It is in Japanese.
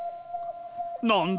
何だ？